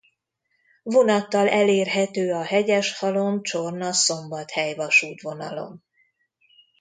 Vonattal elérhető a Hegyeshalom–Csorna–Szombathely-vasútvonalon.